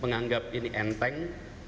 menganggap ini enteng